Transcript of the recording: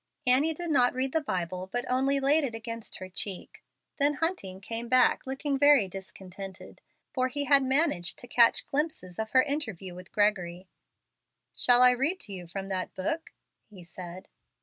Annie did not read the Bible, but only laid it against her cheek. Then Hunting came back looking very discontented, for he had managed to catch glimpses of her interview with Gregory. "Shall I read to you from that book?" he said.